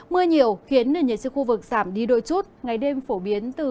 mưa nhiều khiến nền nhiệt sức khu vực giảm đi đôi chút ngày đêm phổ biến từ hai mươi ba đến ba mươi hai độ